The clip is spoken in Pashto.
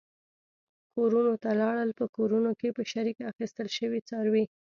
کورونو ته لاړل، په کورونو کې په شریکه اخیستل شوي څاروي.